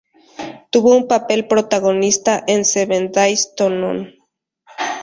Tuvo un papel protagonista en "Seven Days to Noon".